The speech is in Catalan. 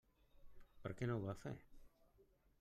Per què no ho van fer?